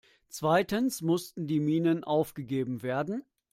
Zweitens mussten die Minen aufgegeben werden.